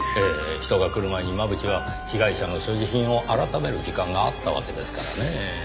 人が来る前に真渕は被害者の所持品をあらためる時間があったわけですからねぇ。